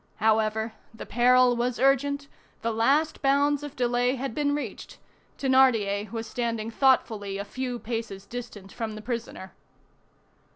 However, the peril was urgent, the last bounds of delay had been reached; Thénardier was standing thoughtfully a few paces distant from the prisoner.